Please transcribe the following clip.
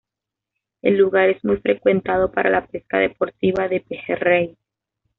El lugar es muy frecuentado para la pesca deportiva de pejerrey.